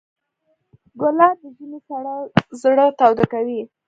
ګلاب د ژمي سړه زړه تاوده کوي.